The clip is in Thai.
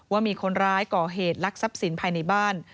ว่ามีคนร้ายก่อเหตุลักษัพสินภายในบ้าน